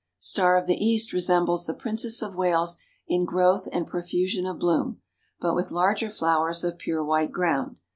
Star of the East resembles the Princess of Wales in growth and profusion of bloom, but with larger flowers, of pure white ground.